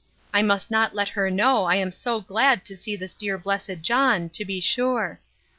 I must not let her know I am so glad to see this dear blessed John, to be sure!